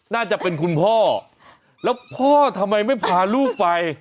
น่าจะเป็นคุณพ่อแล้วพ่อทำไมไม่พาลูกไป